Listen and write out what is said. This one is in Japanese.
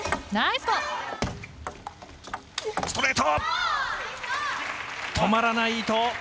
ストレート。